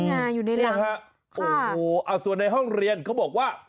นี่ไงอยู่ในรังค่ะโอ้โหส่วนในห้องเรียนเขาบอกว่า